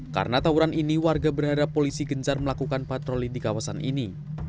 karena tawuran ini warga berhadap polisi gencar melakukan patroli di kawasan ini